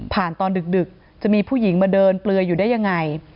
ตอนดึกจะมีผู้หญิงมาเดินเปลือยอยู่ได้ยังไง